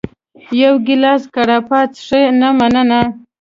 یو ګېلاس ګراپا څښې؟ نه، مننه.